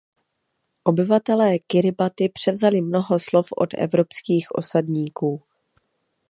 Obyvatelé Kiribati převzali mnoho slov od evropských osadníků.